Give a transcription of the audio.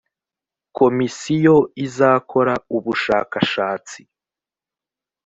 komisiyo izakora ubushakashatsi